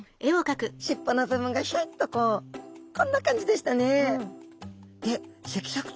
尻尾の部分がひょいっとこうこんな感じでしたね。